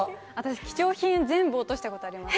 貴重品を全部、落としたことがります。